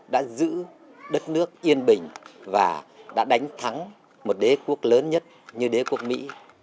đã giữ đất nước yên bình và đã đánh thắng một đế quốc lớn nhất như đế quốc mỹ